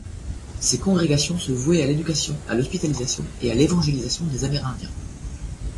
Ces congrégations se vouaient à l'éducation, à l'hospitalisation et à l'évangélisation des Amérindiens.